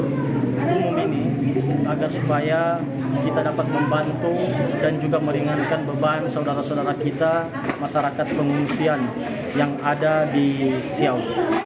untuk umum ini agar supaya kita dapat membantu dan juga meringankan beban saudara saudara kita masyarakat pengungsian yang ada di siau